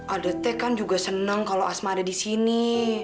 ada teh kan juga senang kalau asma ada di sini